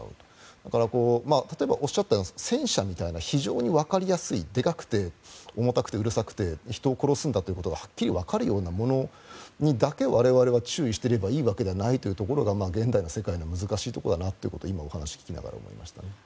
だから例えばおっしゃったような戦車みたいな非常にわかりやすいでかくて重たくてうるさくて人を殺すんだということがはっきりわかるようなものにだけ我々は注意していればいいわけではないというところが現代の世界の難しいところだなと今、お話を聞きながら思いました。